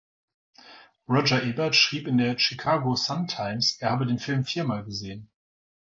Roger Ebert schrieb in der "Chicago Sun-Times", er habe den Film viermal gesehen.